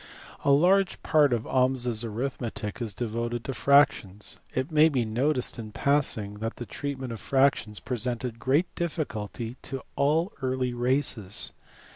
A large part of Ahmes s arithmetic is devoted to fractions. It may be noticed in passing that the treatment of fractions presented great difficulty to all early races.